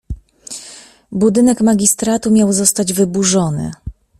Budynek magistratu miał zostać wyburzony.